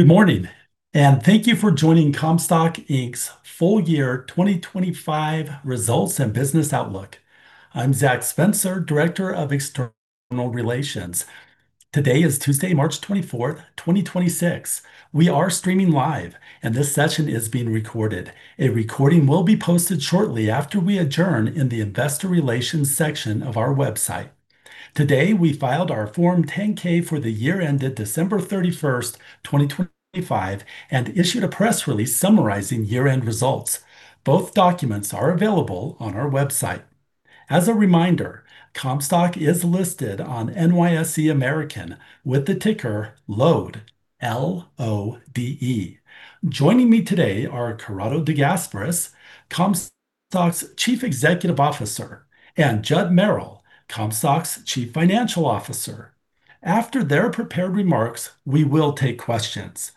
Good morning, and thank you for joining Comstock Inc.'s full year 2025 results and business outlook. I'm Zach Spencer, Director of External Relations. Today is Tuesday, March 24th, 2026. We are streaming live, and this session is being recorded. A recording will be posted shortly after we adjourn in the investor relations section of our website. Today, we filed our Form 10-K for the year ended December 31st, 2025, and issued a press release summarizing year-end results. Both documents are available on our website. As a reminder, Comstock is listed on NYSE American with the ticker LODE, L-O-D-E. Joining me today are Corrado De Gasperis, Comstock's Chief Executive Officer, and Judd Merrill, Comstock's Chief Financial Officer. After their prepared remarks, we will take questions.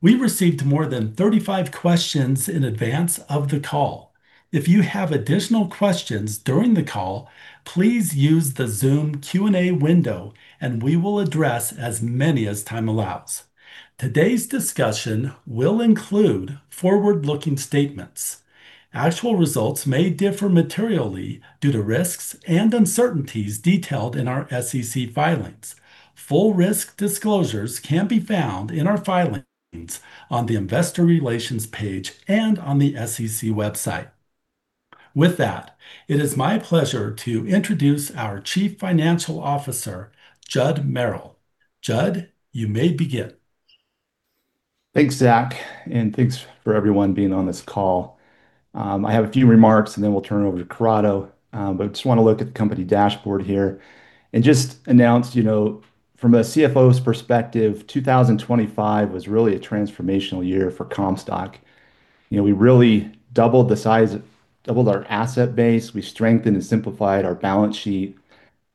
We received more than 35 questions in advance of the call. If you have additional questions during the call, please use the Zoom Q&A window, and we will address as many as time allows. Today's discussion will include forward-looking statements. Actual results may differ materially due to risks and uncertainties detailed in our SEC filings. Full risk disclosures can be found in our filings on the investor relations page and on the SEC website. With that, it is my pleasure to introduce our Chief Financial Officer, Judd Merrill. Judd, you may begin. Thanks, Zach, and thanks for everyone being on this call. I have a few remarks, and then we'll turn it over to Corrado. I just wanna look at the company dashboard here and just announce, you know, from a CFO's perspective, 2025 was really a transformational year for Comstock. You know, we really doubled our asset base. We strengthened and simplified our balance sheet.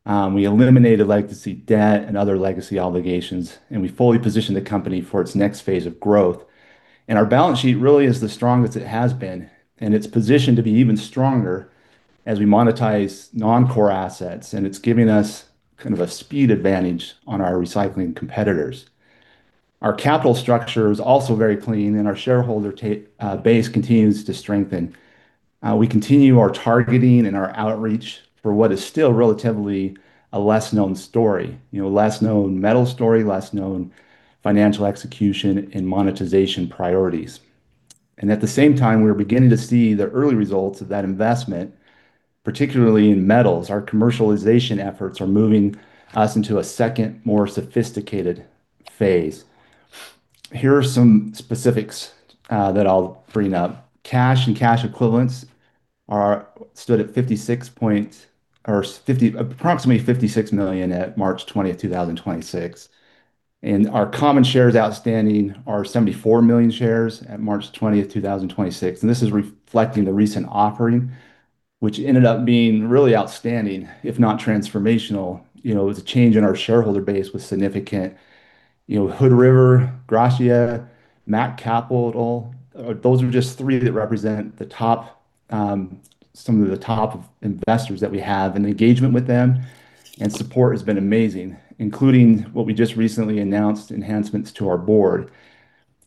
We eliminated legacy debt and other legacy obligations, and we fully positioned the company for its next phase of growth. Our balance sheet really is the strongest it has been, and it's positioned to be even stronger as we monetize non-core assets, and it's giving us kind of a speed advantage on our recycling competitors. Our capital structure is also very clean, and our shareholder base continues to strengthen. We continue our targeting and our outreach for what is still relatively a less-known story. You know, less-known metal story, less-known financial execution and monetization priorities. At the same time, we're beginning to see the early results of that investment, particularly in metals. Our commercialization efforts are moving us into a second, more sophisticated phase. Here are some specifics that I'll bring up. Cash and cash equivalents stood at approximately $56 million at March 20, 2026. Our common shares outstanding are 74 million shares at March 20, 2026. This is reflecting the recent offering, which ended up being really outstanding, if not transformational. You know, it was a change in our shareholder base with significant, you know, Hood River, Gratia, MAK Capital. Those are just three that represent the top, some of the top investors that we have. Engagement with them and support has been amazing, including what we just recently announced enhancements to our board.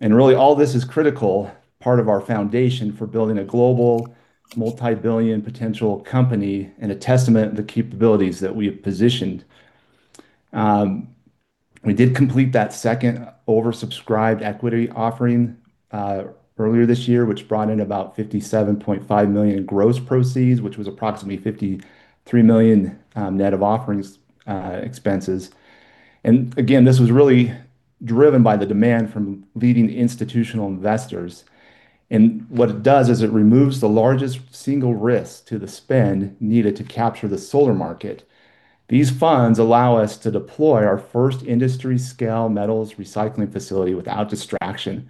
Really, all this is critical part of our foundation for building a global multi-billion potential company and a testament to the capabilities that we have positioned. We did complete that second oversubscribed equity offering earlier this year, which brought in about $57.5 million in gross proceeds, which was approximately $53 million net of offerings expenses. Again, this was really driven by the demand from leading institutional investors. What it does is it removes the largest single risk to the spend needed to capture the solar market. These funds allow us to deploy our first industry scale metals recycling facility without distraction,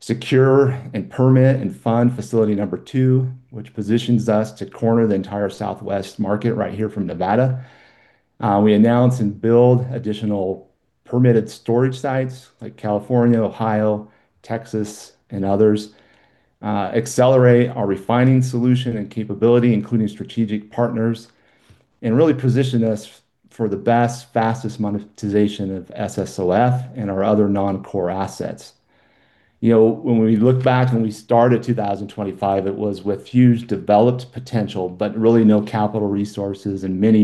secure and permit and fund facility number two, which positions us to corner the entire Southwest market right here from Nevada. We announce and build additional permitted storage sites like California, Ohio, Texas, and others. Accelerate our refining solution and capability, including strategic partners, and really position us for the best, fastest monetization of SSOF and our other non-core assets. You know, when we look back when we started 2025, it was with huge developed potential, but really no capital resources and many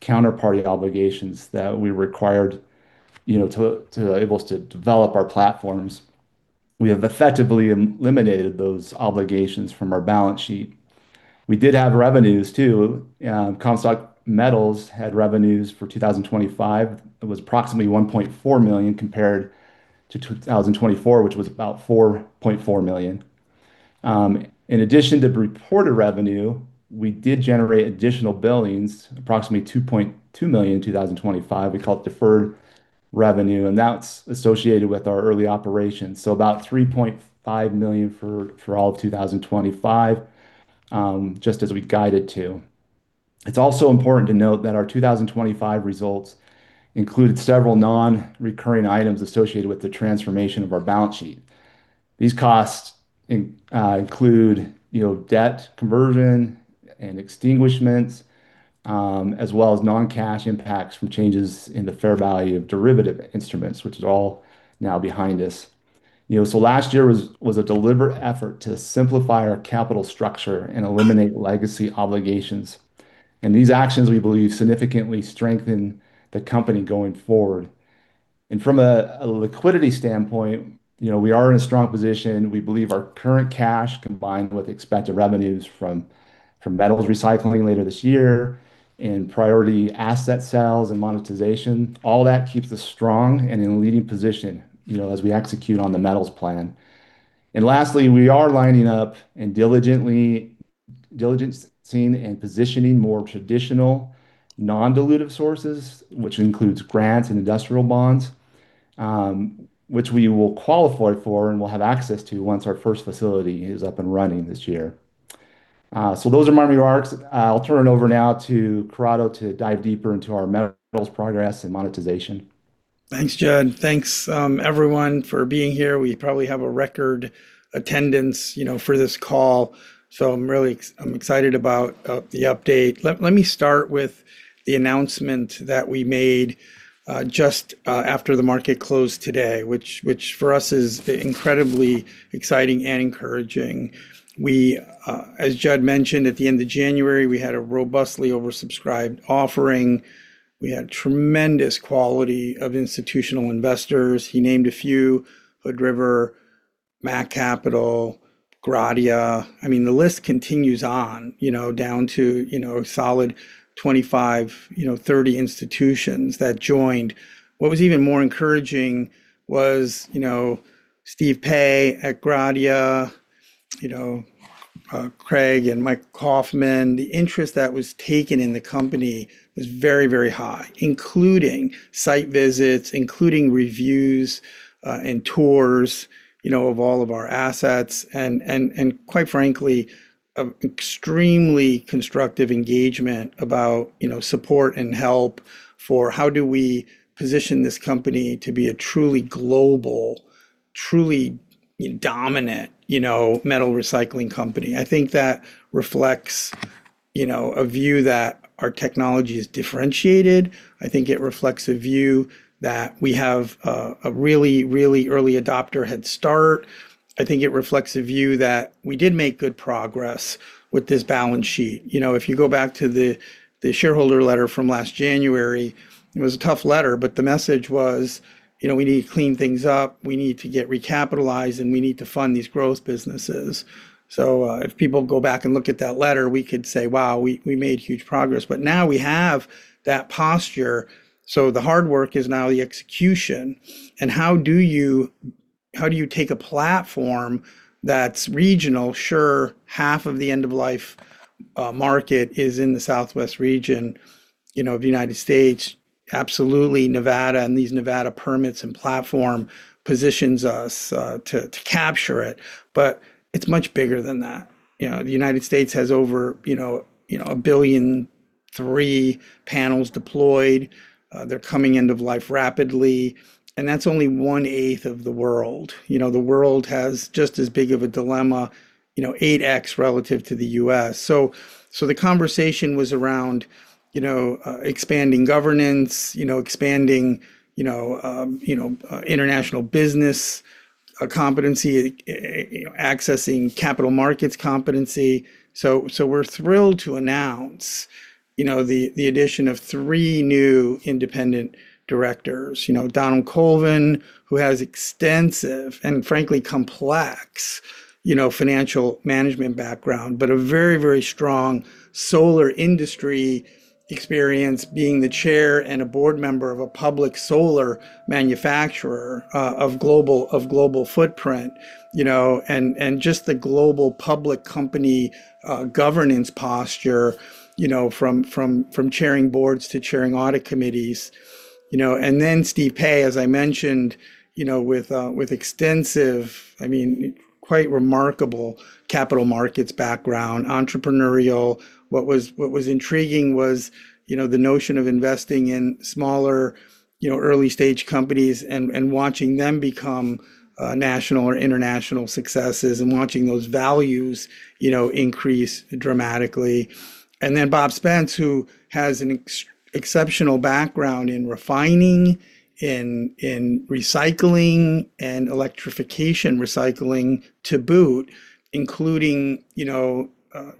counterparty obligations that we required, you know, to enable us to develop our platforms. We have effectively eliminated those obligations from our balance sheet. We did have revenues too. Comstock Metals had revenues for 2025. It was approximately $1.4 million compared to 2024, which was about $4.4 million. In addition to the reported revenue, we did generate additional billings, approximately $2.2 million in 2025. We call it deferred revenue, and that's associated with our early operations. About $3.5 million for all of 2025, just as we guided to. It's also important to note that our 2025 results included several non-recurring items associated with the transformation of our balance sheet. These costs include, you know, debt conversion and extinguishments, as well as non-cash impacts from changes in the fair value of derivative instruments, which is all now behind us. You know, last year was a deliberate effort to simplify our capital structure and eliminate legacy obligations. These actions, we believe, significantly strengthen the company going forward. From a liquidity standpoint, you know, we are in a strong position. We believe our current cash, combined with expected revenues from metals recycling later this year and priority asset sales and monetization, all that keeps us strong and in a leading position, you know, as we execute on the metals plan. Lastly, we are lining up and diligently seeking and positioning more traditional non-dilutive sources, which includes grants and industrial bonds, which we will qualify for and will have access to once our first facility is up and running this year. Those are my remarks. I'll turn it over now to Corrado to dive deeper into our metals progress and monetization. Thanks, Judd. Thanks, everyone for being here. We probably have a record attendance, you know, for this call, so I'm really excited about the update. Let me start with the announcement that we made just after the market closed today, which for us is incredibly exciting and encouraging. We, as Judd mentioned, at the end of January, we had a robustly oversubscribed offering. We had tremendous quality of institutional investors. He named a few, Hood River, MAK Capital, Gratia. I mean, the list continues on, you know, down to, you know, a solid 25, you know, 30 institutions that joined. What was even more encouraging was, you know, Steve Pei at Gratia, you know, Craig and Mike Kaufman, the interest that was taken in the company was very, very high, including site visits, including reviews, and tours, you know, of all of our assets and quite frankly, an extremely constructive engagement about, you know, support and help for how do we position this company to be a truly global, truly dominant, you know, metal recycling company. I think that reflects, you know, a view that our technology is differentiated. I think it reflects a view that we have a really, really early adopter head start. I think it reflects a view that we did make good progress with this balance sheet. You know, if you go back to the shareholder letter from last January, it was a tough letter, but the message was, you know, we need to clean things up. We need to get recapitalized, and we need to fund these growth businesses. If people go back and look at that letter, we could say, "Wow, we made huge progress." Now we have that posture, so the hard work is now the execution. How do you take a platform that's regional? Sure, half of the end-of-life market is in the Southwest region, you know, of the United States. Absolutely, Nevada and these Nevada permits and platform positions us to capture it, but it's much bigger than that. You know, the United States has over 1.3 billion panels deployed. They're coming end of life rapidly, and that's only 1/8 of the world. You know, the world has just as big of a dilemma, you know, 8x relative to the U.S. The conversation was around, you know, expanding governance, you know, expanding international business competency, accessing capital markets competency. We're thrilled to announce, you know, the addition of three new independent directors. You know, Don Colvin, who has extensive and frankly complex, you know, financial management background, but a very, very strong solar industry experience being the Chair and a board member of a public solar manufacturer of global footprint. You know, and just the global public company governance posture, you know, from chairing boards to chairing audit committees. You know, then Steve Pei, as I mentioned, you know, with extensive, I mean, quite remarkable capital markets background, entrepreneurial. What was intriguing was, you know, the notion of investing in smaller, you know, early-stage companies and watching them become national or international successes and watching those values, you know, increase dramatically. Then Bob Spence, who has an exceptional background in refining, in recycling and electrification recycling to boot, including, you know,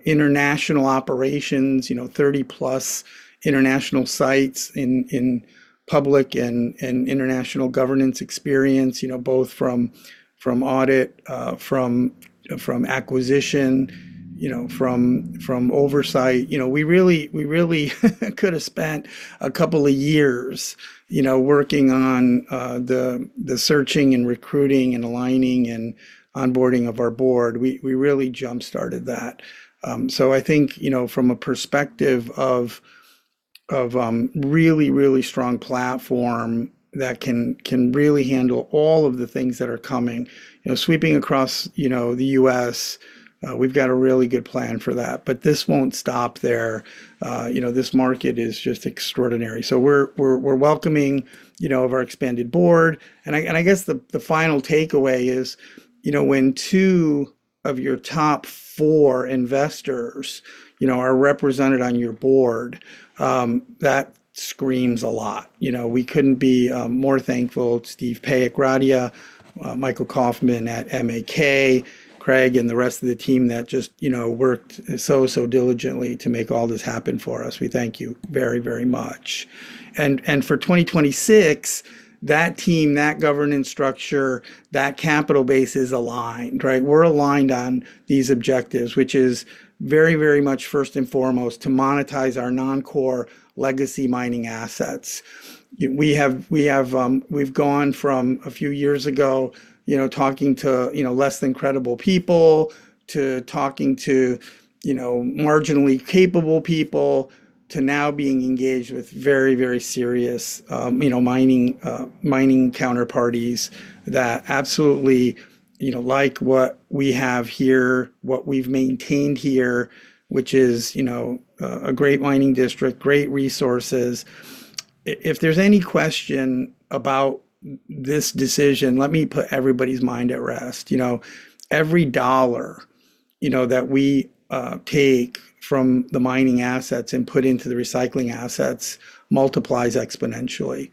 international operations, you know, 30+ international sites in public and international governance experience, you know, both from audit, from acquisition, you know, from oversight. You know, we really could have spent a couple of years, you know, working on the searching and recruiting and aligning and onboarding of our board. We really jump-started that. I think, you know, from a perspective of really strong platform that can really handle all of the things that are coming. You know, sweeping across, you know, the U.S., we've got a really good plan for that, but this won't stop there. You know, this market is just extraordinary. We're welcoming, you know, of our expanded board, and I guess the final takeaway is, you know, when two of your top four investors, you know, are represented on your board, that screams a lot. You know, we couldn't be more thankful to Steve Pei, Gratia, Michael Kaufman at MAK, Craig and the rest of the team that just, you know, worked so diligently to make all this happen for us. We thank you very much. For 2026, that team, that governance structure, that capital base is aligned, right? We're aligned on these objectives, which is very much first and foremost to monetize our non-core legacy mining assets. We've gone from a few years ago, you know, talking to, you know, less than credible people, to talking to, you know, marginally capable people, to now being engaged with very serious, you know, mining counterparties that absolutely, you know, like what we have here, what we've maintained here, which is, you know, a great mining district, great resources. If there's any question about this decision, let me put everybody's mind at rest. You know, every dollar, you know, that we take from the mining assets and put into the recycling assets multiplies exponentially.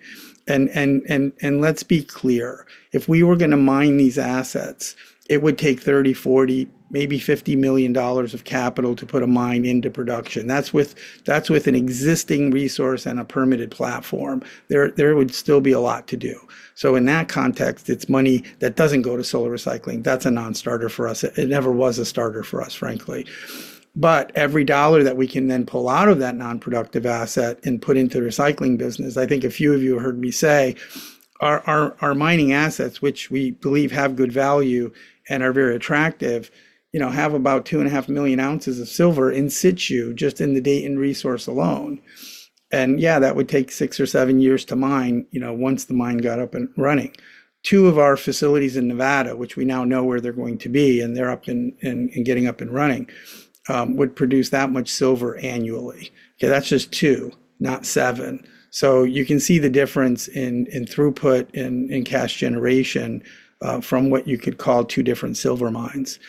Let's be clear. If we were gonna mine these assets, it would take $30 million, $40 million, maybe $50 million of capital to put a mine into production. That's with an existing resource and a permitted platform. There would still be a lot to do. In that context, it's money that doesn't go to solar recycling. That's a non-starter for us. It never was a starter for us, frankly. Every dollar that we can then pull out of that non-productive asset and put into the recycling business, I think a few of you heard me say, our mining assets, which we believe have good value and are very attractive, you know, have about 2.5 million ounces of silver in situ just in the Dayton resource alone. Yeah, that would take six or seven years to mine, you know, once the mine got up and running. Two of our facilities in Nevada, which we now know where they're going to be, and they're up and getting up and running, would produce that much silver annually. Okay, that's just two, not seven. You can see the difference in throughput in cash generation from what you could call two different silver mines.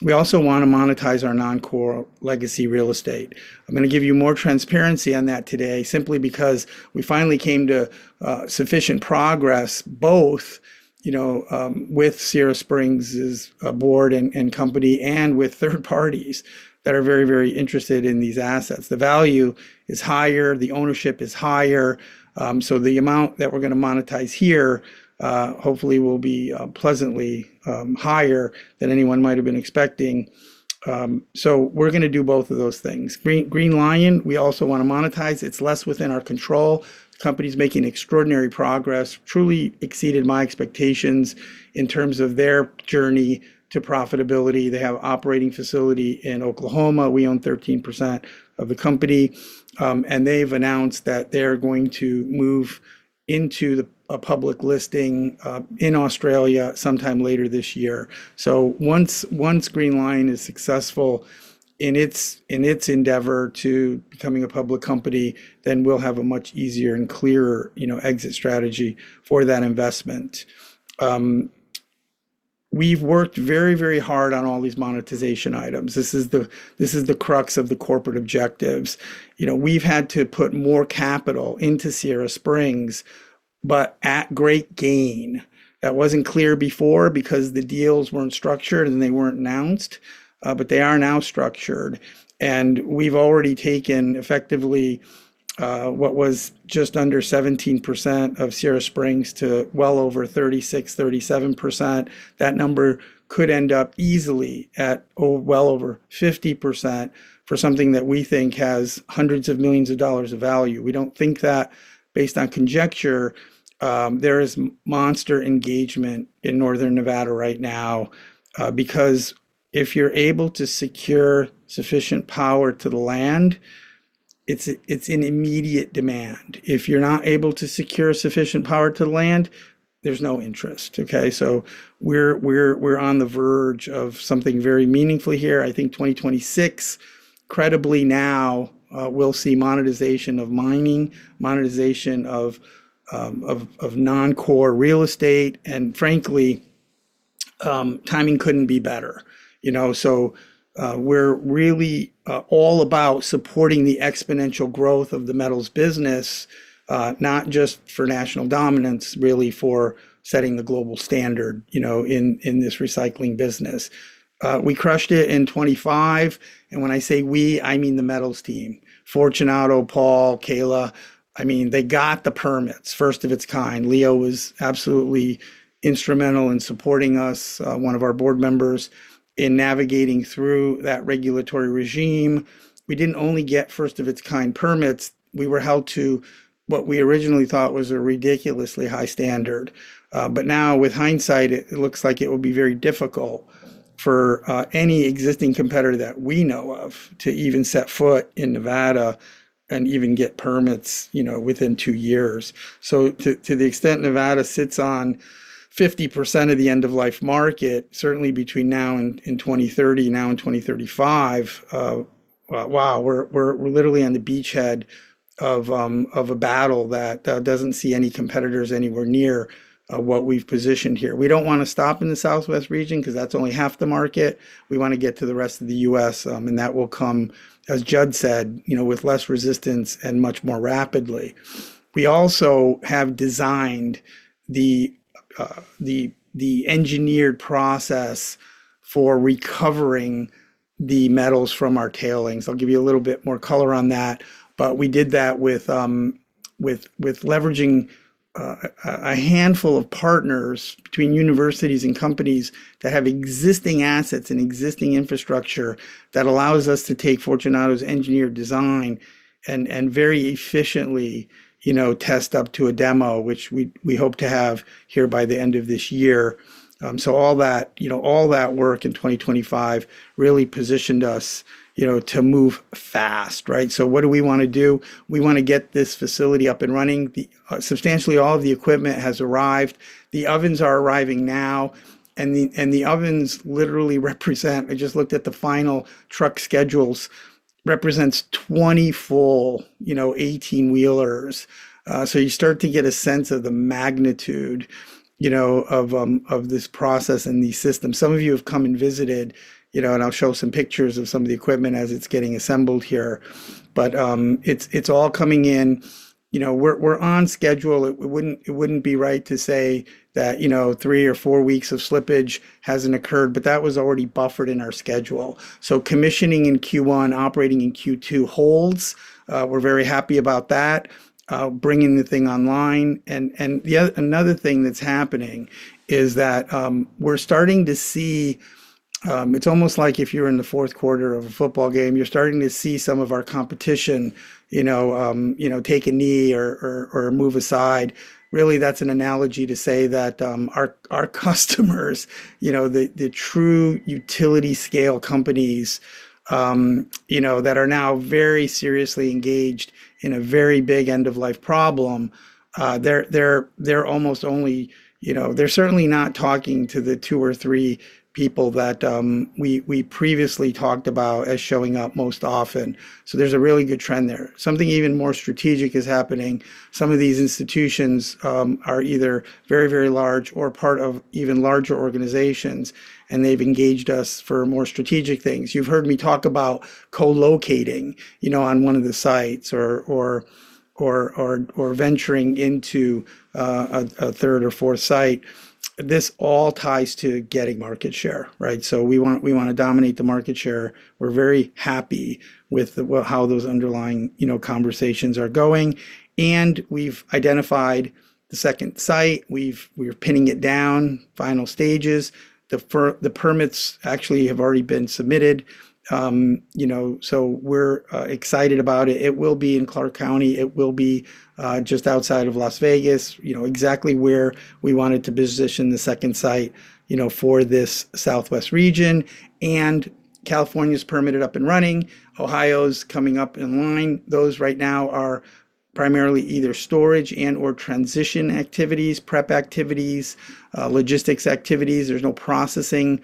We also wanna monetize our non-core legacy real estate. I'm gonna give you more transparency on that today simply because we finally came to sufficient progress both, you know, with Sierra Springs' board and company and with third parties that are very, very interested in these assets. The value is higher, the ownership is higher, so the amount that we're gonna monetize here, hopefully will be, pleasantly, higher than anyone might have been expecting. We're gonna do both of those things. Green Li-ion, we also wanna monetize. It's less within our control. The company's making extraordinary progress, truly exceeded my expectations in terms of their journey to profitability. They have operating facility in Oklahoma. We own 13% of the company. They've announced that they're going to move into a public listing in Australia sometime later this year. Once Green Li-ion is successful in its endeavor to becoming a public company, then we'll have a much easier and clearer, you know, exit strategy for that investment. We've worked very, very hard on all these monetization items. This is the crux of the corporate objectives. You know, we've had to put more capital into Sierra Springs, but at great gain. That wasn't clear before because the deals weren't structured and they weren't announced, but they are now structured. We've already taken effectively what was just under 17% of Sierra Springs to well over 36%-37%. That number could end up easily at well over 50% for something that we think has hundreds of millions of dollars of value. We don't think that based on conjecture. There is monster engagement in northern Nevada right now, because if you're able to secure sufficient power to the land, it's in immediate demand. If you're not able to secure sufficient power to the land, there's no interest, okay? We're on the verge of something very meaningful here. I think 2026, credibly now, we'll see monetization of mining, monetization of non-core real estate, and frankly, timing couldn't be better. You know? We're really all about supporting the exponential growth of the metals business, not just for national dominance, really for setting the global standard, you know, in this recycling business. We crushed it in 2025, and when I say we, I mean the metals team. Fortunato, Paul, Kayla, I mean, they got the permits, first of its kind. Leo was absolutely instrumental in supporting us, one of our board members, in navigating through that regulatory regime. We didn't only get first of its kind permits, we were held to what we originally thought was a ridiculously high standard. Now with hindsight, it looks like it would be very difficult for any existing competitor that we know of to even set foot in Nevada and even get permits, you know, within two years. To the extent Nevada sits on 50% of the end-of-life market, certainly between now and 2030, now and 2035, wow. We're literally on the beachhead of a battle that doesn't see any competitors anywhere near what we've positioned here. We don't wanna stop in the Southwest region 'cause that's only half the market. We wanna get to the rest of the U.S., and that will come, as Judd said, you know, with less resistance and much more rapidly. We also have designed the engineered process for recovering the metals from our tailings. I'll give you a little bit more color on that. We did that with leveraging a handful of partners between universities and companies that have existing assets and existing infrastructure that allows us to take Fortunato's engineered design and very efficiently, you know, test up to a demo, which we hope to have here by the end of this year. All that, you know, all that work in 2025 really positioned us, you know, to move fast, right? What do we wanna do? We wanna get this facility up and running. Substantially all of the equipment has arrived. The ovens are arriving now, and the ovens literally represent- I just looked at the final truck schedules, represents 20 full, you know, 18-wheelers. You start to get a sense of the magnitude, you know, of this process and the system. Some of you have come and visited, you know, and I'll show some pictures of some of the equipment as it's getting assembled here. It's all coming in. You know, we're on schedule. It wouldn't be right to say that, you know, three or four weeks of slippage hasn't occurred, but that was already buffered in our schedule. Commissioning in Q1, operating in Q2 holds. We're very happy about that, bringing the thing online. Another thing that's happening is that, we're starting to see. It's almost like if you're in the fourth quarter of a football game, you're starting to see some of our competition, you know, take a knee or move aside. Really, that's an analogy to say that, our customers, you know, the true utility scale companies, you know, that are now very seriously engaged in a very big end-of-life problem, they're almost only. They're certainly not talking to the two or three people that, we previously talked about as showing up most often. There's a really good trend there. Something even more strategic is happening. Some of these institutions are either very large or part of even larger organizations, and they've engaged us for more strategic things. You've heard me talk about co-locating, you know, on one of the sites or venturing into a third or fourth site. This all ties to getting market share, right? We want to dominate the market share. We're very happy with how those underlying, you know, conversations are going. We've identified the second site. We're pinning it down, final stages. The permits actually have already been submitted. You know, so we're excited about it. It will be in Clark County. It will be just outside of Las Vegas, you know, exactly where we wanted to position the second site, you know, for this Southwest region. California's permitted up and running. Ohio's coming up in line. Those right now are primarily either storage and/or transition activities, prep activities, logistics activities. There's no processing.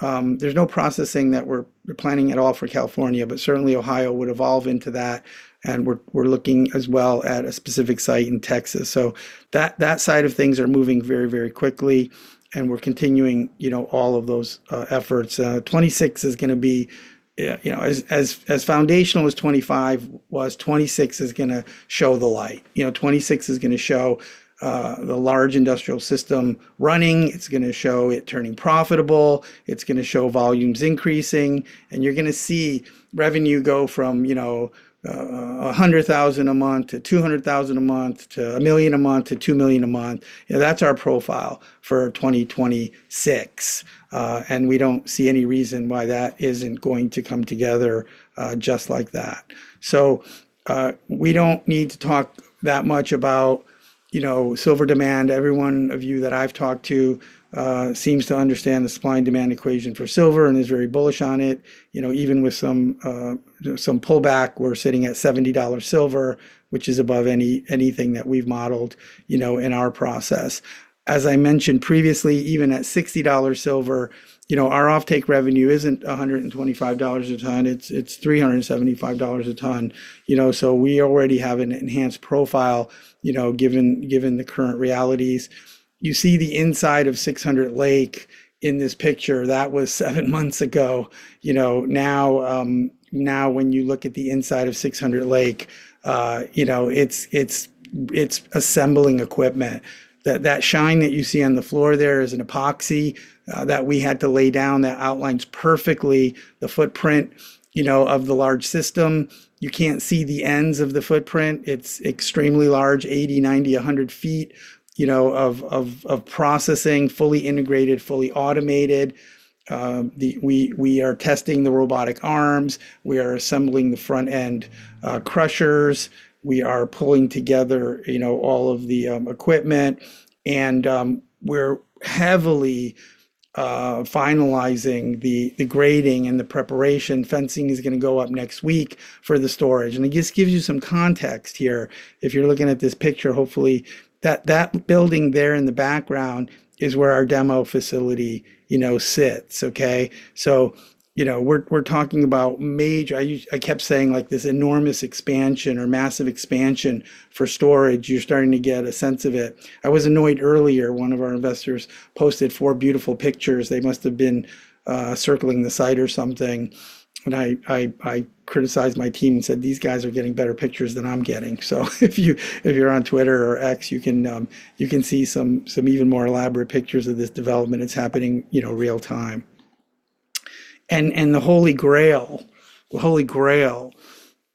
There's no processing that we're planning at all for California, but certainly Ohio would evolve into that, and we're looking as well at a specific site in Texas. That side of things is moving very, very quickly, and we're continuing, you know, all of those efforts. 2026 is gonna be, you know, as foundational as 2025 was. 2026 is gonna show the light. You know, 2026 is gonna show the large industrial system running. It's gonna show it turning profitable. It's gonna show volumes increasing, and you're gonna see revenue go from, you know, $100,000 a month to $200,000 a month to $1 million a month to $2 million a month. You know, that's our profile for 2026. We don't see any reason why that isn't going to come together just like that. We don't need to talk that much about, you know, silver demand. Every one of you that I've talked to seems to understand the supply and demand equation for silver and is very bullish on it. You know, even with some pullback, we're sitting at $70 silver, which is above anything that we've modeled, you know, in our process. As I mentioned previously, even at $60 silver, you know, our offtake revenue isn't $125 a ton. It's $375 a ton. You know, we already have an enhanced profile, you know, given the current realities. You see the inside of 600 Lake in this picture. That was seven months ago. You know, now when you look at the inside of 600 Lake, you know, it's assembling equipment. That shine that you see on the floor there is an epoxy that we had to lay down that outlines perfectly the footprint, you know, of the large system. You can't see the ends of the footprint. It's extremely large, 80 ft, 90 ft, 100 ft, you know, of processing, fully integrated, fully automated. We are testing the robotic arms. We are assembling the front-end crushers. We are pulling together, you know, all of the equipment. We're heavily finalizing the grading and the preparation, fencing is gonna go up next week for the storage. It just gives you some context here. If you're looking at this picture, hopefully that building there in the background is where our demo facility, you know, sits, okay? You know, we're talking about major. I kept saying like this enormous expansion or massive expansion for storage. You're starting to get a sense of it. I was annoyed earlier, one of our investors posted four beautiful pictures. They must have been circling the site or something. I criticized my team and said, "These guys are getting better pictures than I'm getting." If you're on Twitter or X, you can see some even more elaborate pictures of this development. It's happening, you know, real-time. The holy grail,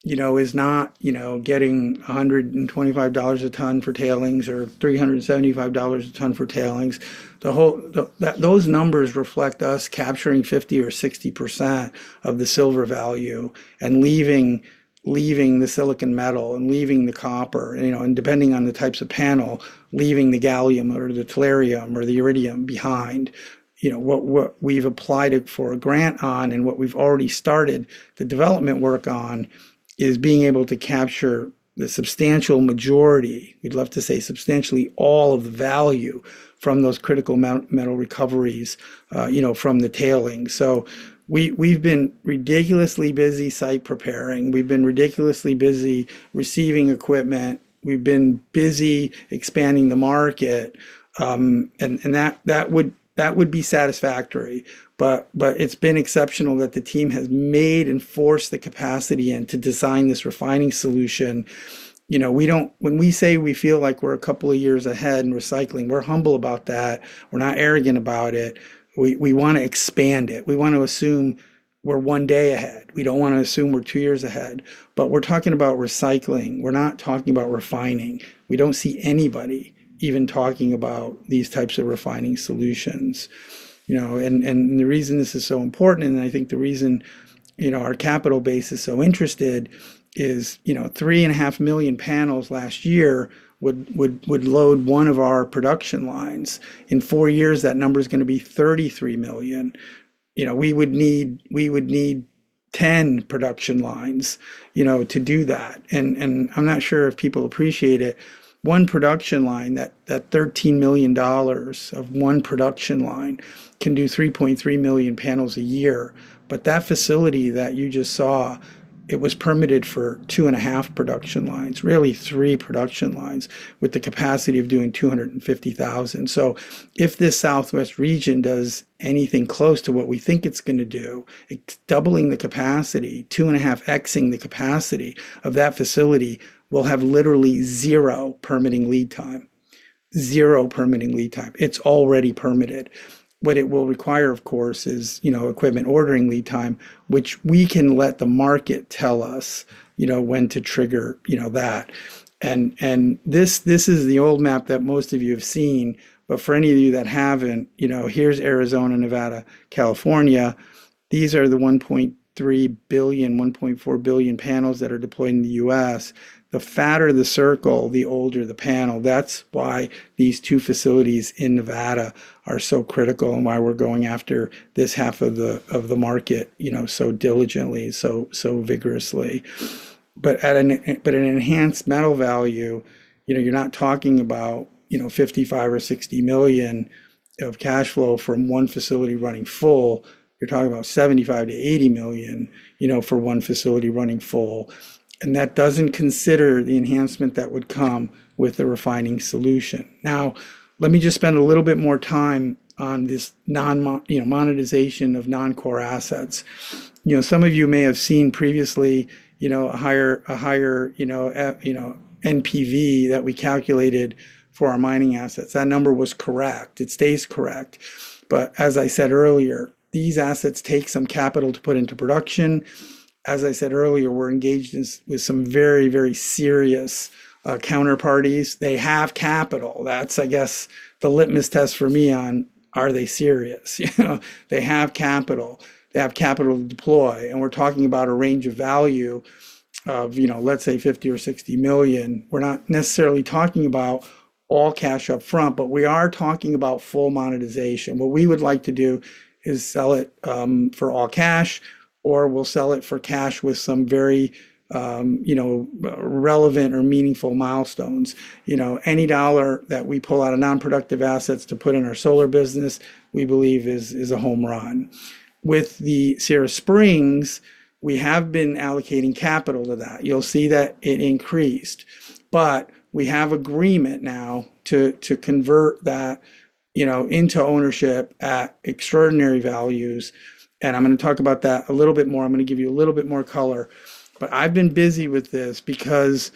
you know, is not, you know, getting $125 a ton for tailings or $375 a ton for tailings. Those numbers reflect us capturing 50% or 60% of the silver value and leaving the silicon metal and leaving the copper, you know, and depending on the types of panel, leaving the gallium or the tellurium or the indium behind. You know, what we've applied it for a grant on and what we've already started the development work on is being able to capture the substantial majority, we'd love to say substantially all of the value from those critical metal recoveries, you know, from the tailings. We, we've been ridiculously busy site preparing. We've been ridiculously busy receiving equipment. We've been busy expanding the market and that would be satisfactory. It's been exceptional that the team has made and forced the capacity and to design this refining solution. You know, we don't. When we say we feel like we're a couple of years ahead in recycling, we're humble about that. We're not arrogant about it. We wanna expand it. We want to assume we're one day ahead. We don't wanna assume we're two years ahead. We're talking about recycling. We're not talking about refining. We don't see anybody even talking about these types of refining solutions, you know. The reason this is so important, and I think the reason, you know, our capital base is so interested is, you know, 3.5 million panels last year would load one of our production lines. In four years, that number is gonna be 33 million. You know, we would need 10 production lines, you know, to do that. I'm not sure if people appreciate it. One production line, that $13 million of one production line can do 3.3 million panels a year. That facility that you just saw, it was permitted for 2.5 production lines, really three production lines, with the capacity of doing 250,000. If this Southwest region does anything close to what we think it's gonna do, it's doubling the capacity, 2.5x-ing the capacity of that facility will have literally zero permitting lead time. Zero permitting lead time. It's already permitted. What it will require, of course, is you know, equipment ordering lead time, which we can let the market tell us, you know, when to trigger, you know, that. This is the old map that most of you have seen, but for any of you that haven't, you know, here's Arizona, Nevada, California. These are the 1.3 billion, 1.4 billion panels that are deployed in the U.S. The fatter the circle, the older the panel. That's why these two facilities in Nevada are so critical and why we're going after this half of the market, you know, so diligently, so vigorously. At an enhanced metal value, you know, you're not talking about, you know, $55 million or $60 million of cash flow from one facility running full. You're talking about $75 million-$80 million, you know, for one facility running full. That doesn't consider the enhancement that would come with the refining solution. Now, let me just spend a little bit more time on this monetization of non-core assets. You know, some of you may have seen previously, you know, a higher NPV that we calculated for our mining assets. That number was correct. It stays correct. As I said earlier, these assets take some capital to put into production. As I said earlier, we're engaged with some very, very serious counterparties. They have capital. That's, I guess, the litmus test for me on are they serious, you know? They have capital. They have capital to deploy, and we're talking about a range of value of, you know, let's say $50 million or $60 million. We're not necessarily talking about all cash up front, but we are talking about full monetization. What we would like to do is sell it for all cash, or we'll sell it for cash with some very, you know, relevant or meaningful milestones. You know, any dollar that we pull out of non-productive assets to put in our solar business, we believe is a home run. With the Sierra Springs, we have been allocating capital to that. You'll see that it increased. But we have agreement now to convert that, you know, into ownership at extraordinary values. I'm gonna talk about that a little bit more. I'm gonna give you a little bit more color. I've been busy with this because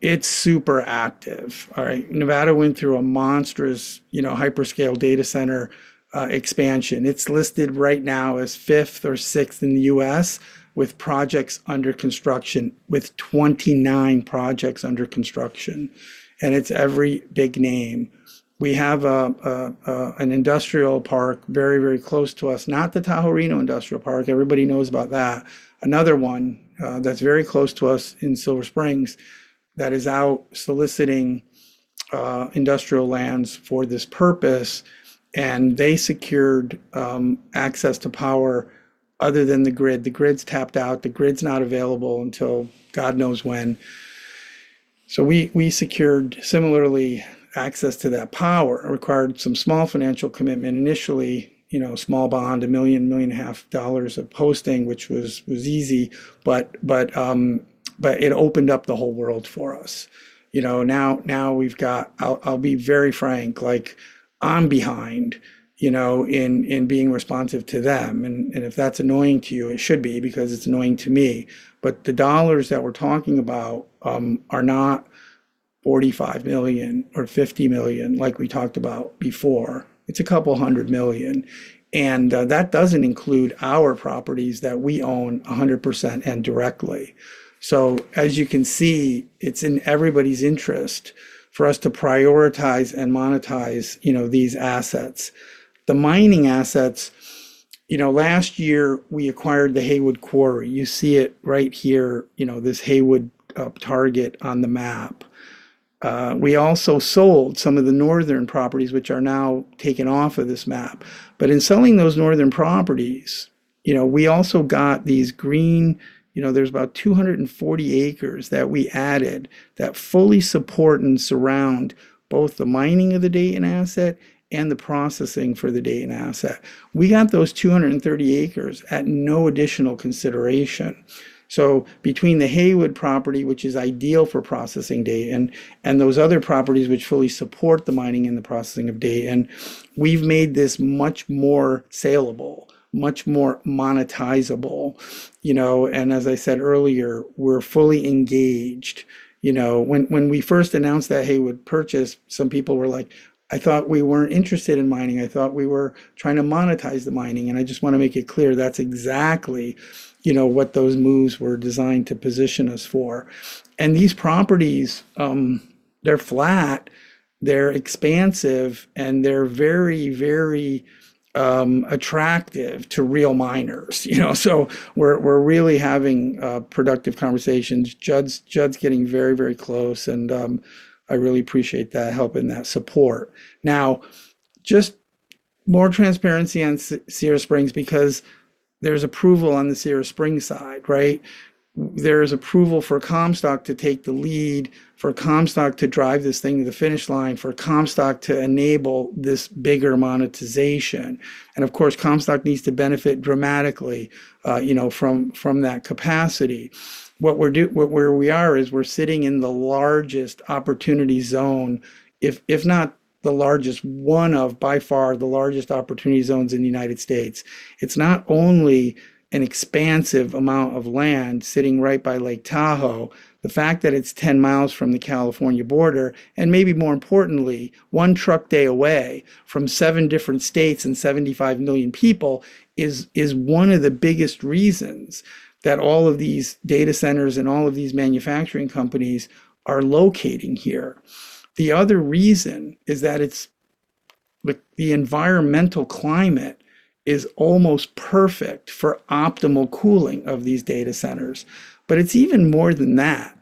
it's super active. All right. Nevada went through a monstrous, you know, hyperscale data center expansion. It's listed right now as fifth or sixth in the U.S. with projects under construction, with 29 projects under construction. It's every big name. We have an industrial park very, very close to us, not the Tahoe Reno Industrial Park. Everybody knows about that. Another one that's very close to us in Silver Springs that is out soliciting industrial lands for this purpose, and they secured access to power other than the grid. The grid's tapped out. The grid's not available until God knows when. We secured similarly access to that power. It required some small financial commitment initially, you know, a small bond, $1.5 million of posting, which was easy. It opened up the whole world for us. You know, now we've got. I'll be very frank, like I'm behind, you know, in being responsive to them. If that's annoying to you, it should be because it's annoying to me. The dollars that we're talking about are not $45 million or $50 million like we talked about before. It's a couple hundred million, and that doesn't include our properties that we own 100% and directly. As you can see, it's in everybody's interest for us to prioritize and monetize, you know, these assets. The mining assets, you know, last year we acquired the Haywood Quarry. You see it right here, you know, this Haywood target on the map. We also sold some of the northern properties, which are now taken off of this map. In selling those northern properties, you know, we also got. You know, there's about 240 acres that we added that fully support and surround both the mining of the Dayton asset and the processing for the Dayton asset. We got those 230 acres at no additional consideration. Between the Haywood property, which is ideal for processing Dayton and those other properties which fully support the mining and the processing of Dayton, we've made this much more saleable, much more monetizable, you know. As I said earlier, we're fully engaged. You know, when we first announced that Haywood purchase, some people were like, "I thought we weren't interested in mining. I thought we were trying to monetize the mining." I just want to make it clear, that's exactly, you know, what those moves were designed to position us for. These properties, they're flat, they're expansive, and they're very attractive to real miners, you know. We're really having productive conversations. Judd's getting very close, and I really appreciate that help and that support. Now, just more transparency on Sierra Springs because there's approval on the Sierra Springs side, right? There is approval for Comstock to take the lead, for Comstock to drive this thing to the finish line, for Comstock to enable this bigger monetization. Of course, Comstock needs to benefit dramatically, you know, from that capacity. Where we are is we're sitting in the largest opportunity zone, if not the largest, one of by far the largest opportunity zones in the United States. It's not only an expansive amount of land sitting right by Lake Tahoe. The fact that it's 10 miles from the California border, and maybe more importantly, one truck day away from seven different states and 75 million people is one of the biggest reasons that all of these data centers and all of these manufacturing companies are locating here. The other reason is that the environmental climate is almost perfect for optimal cooling of these data centers. It's even more than that.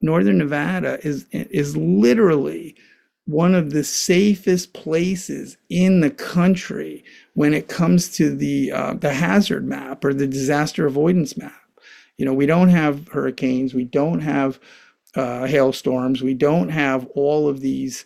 Northern Nevada is literally one of the safest places in the country when it comes to the hazard map or the disaster avoidance map. You know, we don't have hurricanes, we don't have hailstorms, we don't have all of these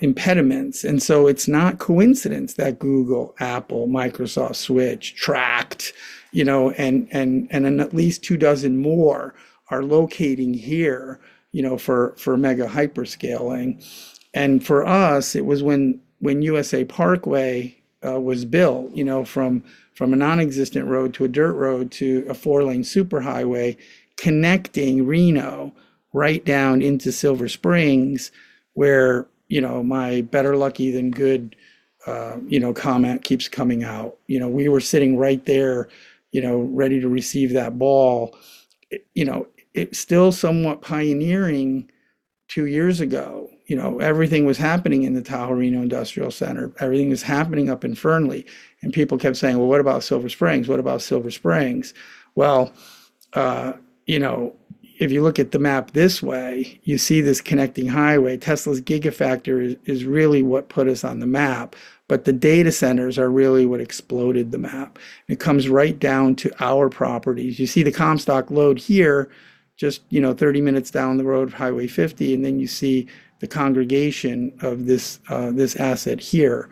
impediments. It's no coincidence that Google, Apple, Microsoft, Switch, Tract, you know, and then at least two dozen more are locating here, you know, for mega hyper scaling. For us, it was when USA Parkway was built, you know, from a nonexistent road to a dirt road to a four-lane superhighway connecting Reno right down into Silver Springs, where, you know, my better lucky than good comment keeps coming out. You know, we were sitting right there, you know, ready to receive that ball. You know, it was still somewhat pioneering two years ago. You know, everything was happening in the Tahoe Reno Industrial Center. Everything was happening up in Fernley, and people kept saying, "Well, what about Silver Springs? What about Silver Springs?" Well, you know, if you look at the map this way, you see this connecting highway. Tesla's Gigafactory is really what put us on the map, but the data centers are really what exploded the map. It comes right down to our properties. You see the Comstock LODE here, just, you know, 30 minutes down the road of Highway 50, and then you see the congregation of this asset here.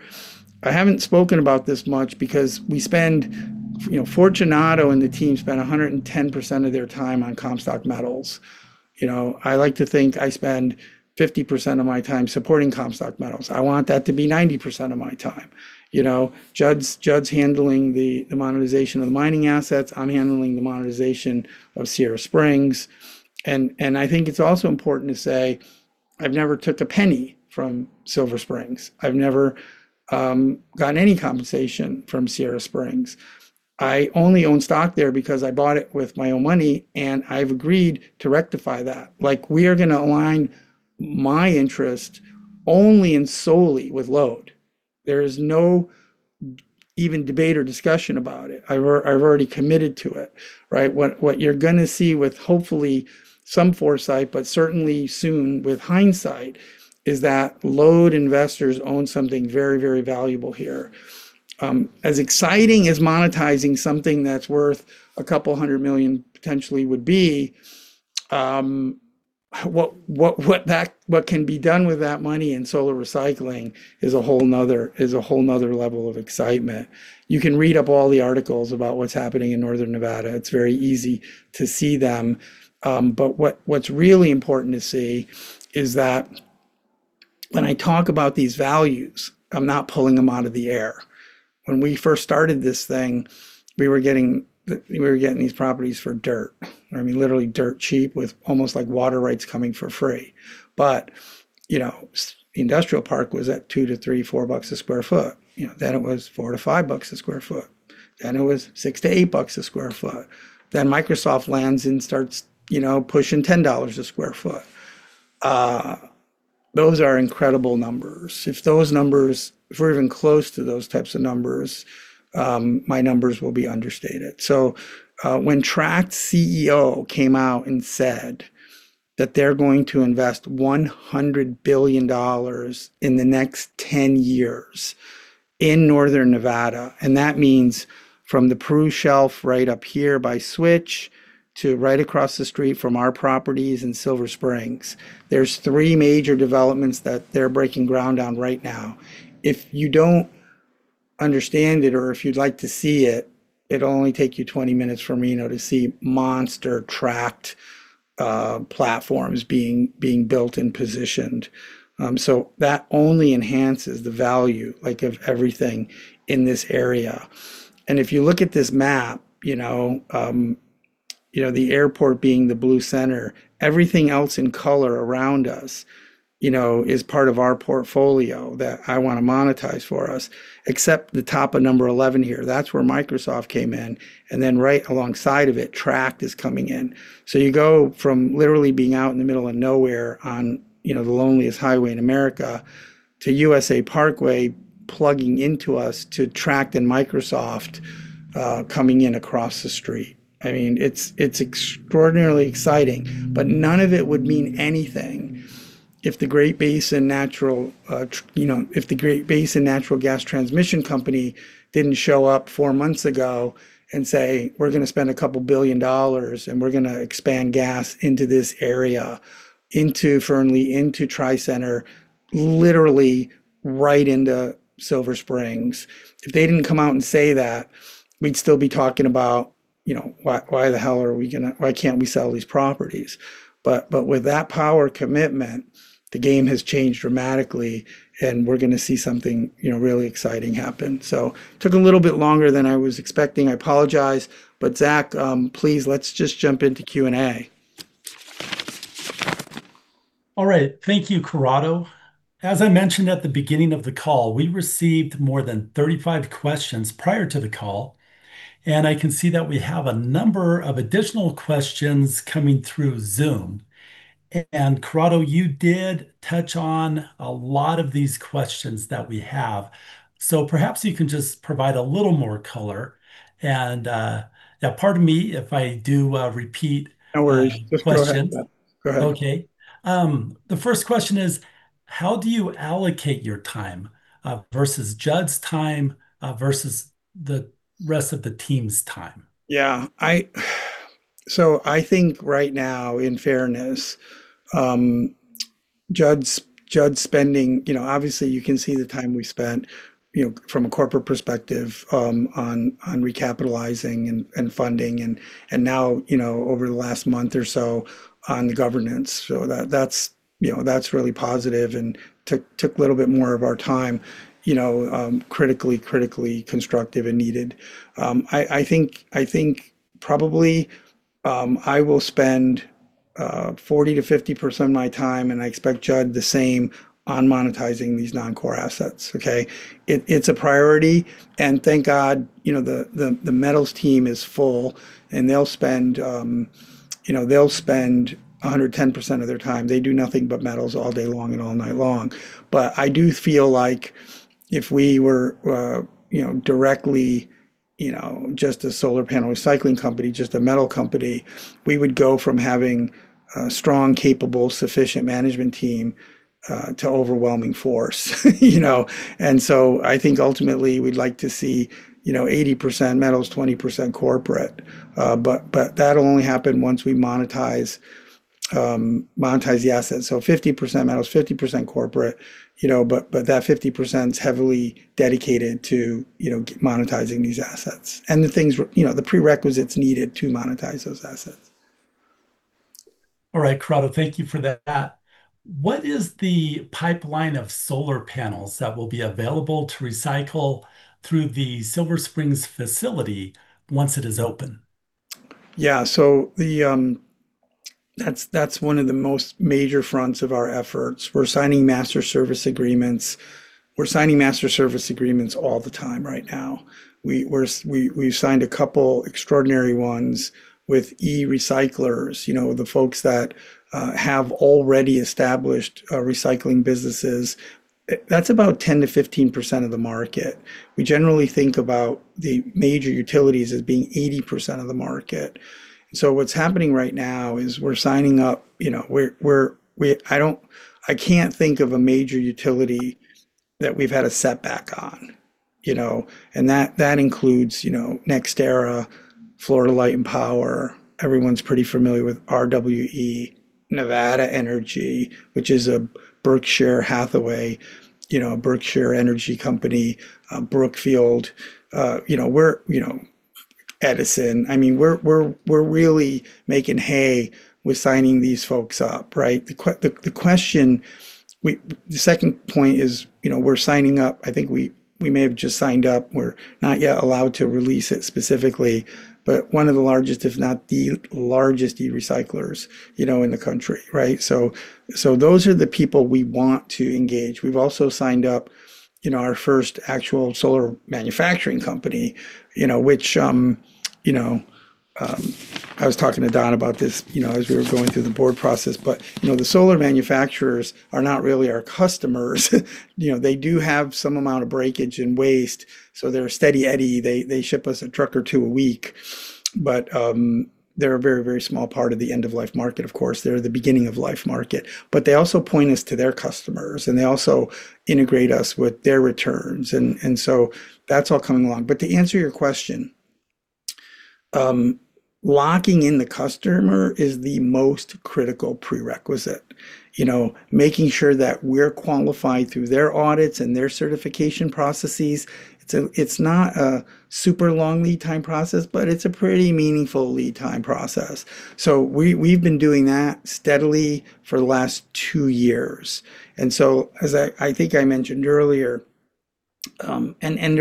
I haven't spoken about this much because we spend, you know, Fortunato and the team spend 110% of their time on Comstock Metals. You know, I like to think I spend 50% of my time supporting Comstock Metals. I want that to be 90% of my time. You know, Jud's handling the monetization of the mining assets, I'm handling the monetization of Sierra Springs. I think it's also important to say I've never took a penny from Silver Springs. I've never gotten any compensation from Sierra Springs. I only own stock there because I bought it with my own money, and I've agreed to rectify that. Like, we are gonna align my interest only and solely with LODE. There is no even debate or discussion about it. I've already committed to it, right? What you're gonna see with hopefully some foresight, but certainly soon with hindsight is that LODE investors own something very, very valuable here. As exciting as monetizing something that's worth a couple hundred million potentially would be, what can be done with that money in solar recycling is a whole another level of excitement. You can read up all the articles about what's happening in northern Nevada. It's very easy to see them. What's really important to see is that when I talk about these values, I'm not pulling them out of the air. When we first started this thing, we were getting these properties for dirt. I mean, literally dirt cheap with almost like water rights coming for free. You know, Industrial Park was at $2-$4 per sq ft. You know, then it was $4-$5 per sq ft. Then it was $6-$8 per sq ft. Then Microsoft lands and starts, you know, pushing $10 per sq ft. Those are incredible numbers. If we're even close to those types of numbers, my numbers will be understated. When Tract's CEO came out and said that they're going to invest $100 billion in the next 10 years in northern Nevada, and that means from the Peru Shelf right up here by Switch to right across the street from our properties in Silver Springs. There's three major developments that they're breaking ground on right now. If you don't understand it or if you'd like to see it'll only take you 20 minutes from Reno to see monster Tract platforms being built and positioned. That only enhances the value, like of everything in this area. If you look at this map, you know, the airport being the blue center, everything else in color around us, you know, is part of our portfolio that I wanna monetize for us, except the top of number 11 here. That's where Microsoft came in, and then right alongside of it, Tract is coming in. You go from literally being out in the middle of nowhere on, you know, the loneliest highway in America to USA Parkway plugging into us to Tract and Microsoft coming in across the street. I mean, it's extraordinarily exciting, but none of it would mean anything if the Great Basin Natural Gas Transmission Company didn't show up four months ago and say, "We're gonna spend a couple billion dollars, and we're gonna expand gas into this area, into Fernley, into TRI Center, literally right into Silver Springs." If they didn't come out and say that, we'd still be talking about, you know, "Why the hell can't we sell these properties?" But with that power commitment, the game has changed dramatically, and we're gonna see something, you know, really exciting happen. Took a little bit longer than I was expecting, I apologize, but Zach, please let's just jump into Q&A. All right. Thank you, Corrado. As I mentioned at the beginning of the call, we received more than 35 questions prior to the call, and I can see that we have a number of additional questions coming through Zoom. Corrado, you did touch on a lot of these questions that we have, so perhaps you can just provide a little more color. Now pardon me if I do repeat. No worries. Just go ahead, Zach. Any questions? Go ahead. Okay. The first question is, how do you allocate your time, versus Judd's time, versus the rest of the team's time? Yeah. I think right now, in fairness, Judd's spending. You know, obviously you can see the time we spent, you know, from a corporate perspective, on recapitalizing and funding and now, you know, over the last month or so on governance. That's really positive and took a little bit more of our time, you know, critically constructive and needed. I think probably I will spend 40%-50% of my time, and I expect Judd the same, on monetizing these non-core assets, okay? It's a priority, and thank God, you know, the metals team is full and they'll spend 110% of their time. They do nothing but metals all day long and all night long. I do feel like if we were, you know, directly, you know, just a solar panel recycling company, just a metal company, we would go from having a strong, capable, sufficient management team, to overwhelming force, you know. I think ultimately we'd like to see, you know, 80% metals, 20% corporate. That'll only happen once we monetize the assets. 50% metals, 50% corporate, you know, that 50% is heavily dedicated to, you know, monetizing these assets and the things you know, the prerequisites needed to monetize those assets. All right, Corrado, thank you for that. What is the pipeline of solar panels that will be available to recycle through the Silver Springs facility once it is open? That's one of the most major fronts of our efforts. We're signing master service agreements all the time right now. We've signed a couple extraordinary ones with e-recyclers, you know, the folks that have already established recycling businesses. That's about 10%-15% of the market. We generally think about the major utilities as being 80% of the market. What's happening right now is we're signing up. You know, I can't think of a major utility that we've had a setback on, you know. That includes, you know, NextEra, Florida Light Power. Everyone's pretty familiar with RWE, Nevada Energy, which is a Berkshire Hathaway, you know, a Berkshire energy company, Brookfield. You know, Edison. I mean, we're really making hay with signing these folks up, right? The second point is, you know, we're signing up. I think we may have just signed up. We're not yet allowed to release it specifically, but one of the largest, if not the largest, e-recyclers, you know, in the country, right? So those are the people we want to engage. We've also signed up, you know, our first actual solar manufacturing company, you know, which I was talking to Don about this, you know, as we were going through the board process. You know, the solar manufacturers are not really our customers. You know, they do have some amount of breakage and waste, so they're a steady eddy. They ship us a truck or two a week. They're a very, very small part of the end-of-life market, of course. They're the beginning of life market. They also point us to their customers, and they also integrate us with their returns. That's all coming along. To answer your question, locking in the customer is the most critical prerequisite. You know, making sure that we're qualified through their audits and their certification processes. It's not a super long lead time process, but it's a pretty meaningful lead time process. We've been doing that steadily for the last two years. As I think I mentioned earlier, there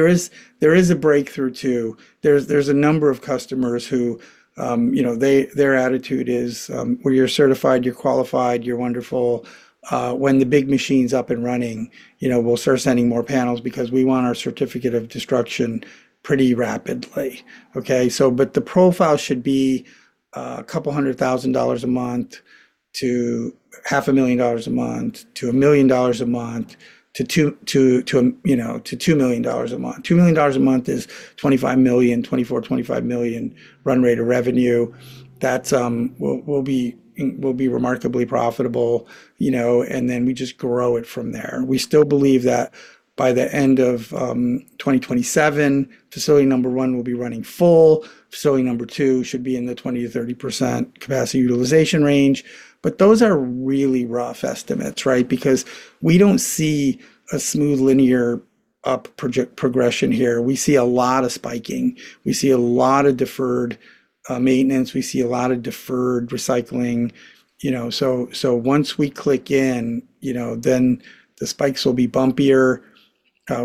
is a breakthrough too. There's a number of customers who, you know, their attitude is, "Well, you're certified, you're qualified, you're wonderful." When the big machine's up and running, you know, we'll start sending more panels because we want our certificate of destruction pretty rapidly. Okay? The profile should be a couple hundred thousand a month to $500,000 dollars a month to $1 million a month to $2 million a month. $2 million a month is a $24 million-$25 million run rate of revenue. That will be remarkably profitable, you know, and then we just grow it from there. We still believe that by the end of 2027, facility number one will be running full. Facility number two should be in the 20%-30% capacity utilization range. Those are really rough estimates, right? Because we don't see a smooth linear up project progression here. We see a lot of spiking. We see a lot of deferred maintenance. We see a lot of deferred recycling, you know. Once we click in, you know, then the spikes will be bumpier.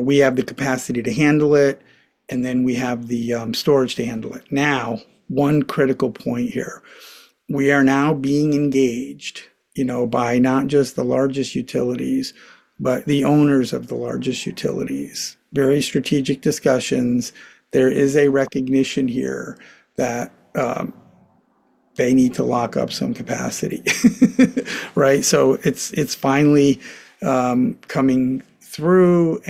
We have the capacity to handle it, and then we have the storage to handle it. Now, one critical point here. We are now being engaged, you know, by not just the largest utilities, but the owners of the largest utilities. Very strategic discussions. There is a recognition here that they need to lock up some capacity. Right? It's finally coming through.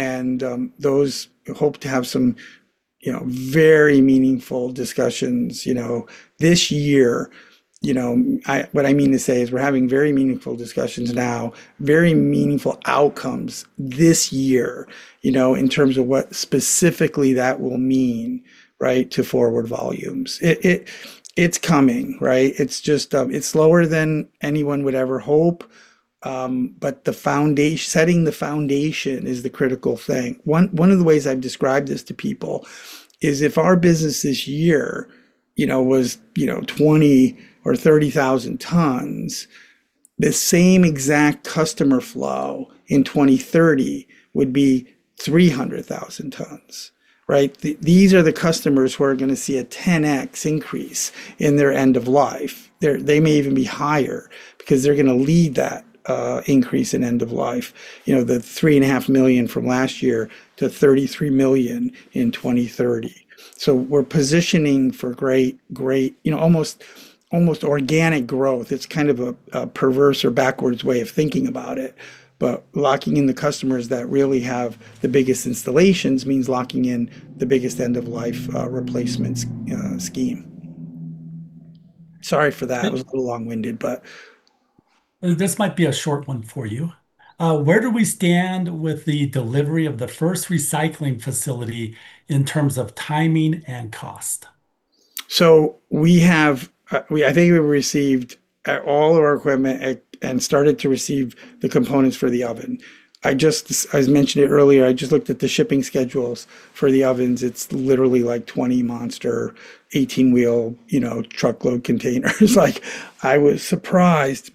You know, what I mean to say is we're having very meaningful discussions now, very meaningful outcomes this year. You know, in terms of what specifically that will mean, right, to forward volumes. It's coming, right? It's just slower than anyone would ever hope, but setting the foundation is the critical thing. One of the ways I've described this to people is if our business this year, you know, was 20,000 tons or 30,000 tons, the same exact customer flow in 2030 would be 300,000 tons, right? These are the customers who are gonna see a 10x increase in their end of life. They may even be higher because they're gonna lead that increase in end of life. You know, the 3.5 million from last year to 33 million in 2030. We're positioning for great, you know, almost organic growth. It's kind of a perverse or backwards way of thinking about it. Locking in the customers that really have the biggest installations means locking in the biggest end-of-life replacement scheme. Sorry for that. It was a little long-winded. This might be a short one for you. Where do we stand with the delivery of the first recycling facility in terms of timing and cost? I think we received all of our equipment and started to receive the components for the oven. I just mentioned it earlier. I just looked at the shipping schedules for the ovens. It's literally like 20 monster 18-wheel, you know, truckload containers. Like, I was surprised